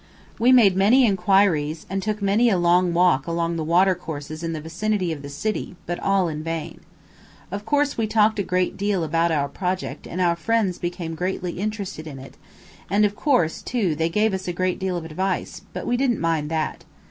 We made many inquiries and took many a long walk along the water courses in the vicinity of the city, but all in vain. Of course, we talked a great deal about our project and our friends became greatly interested in it, and, of course, too, they gave us a great deal of advice, but we didn't mind that.